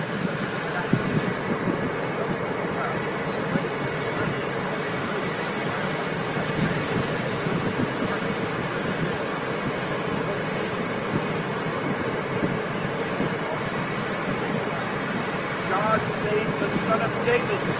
So He sat on them; 021:008 and most of the crowd kept spreading their garments along the road, while others cut branches from the trees and carpeted the road with them, 021:009 and the multitudes some of the people preceding Him and some following sang aloud, "God save the Son of David!